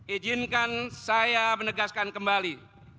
ijinkan saya menegaskan kembali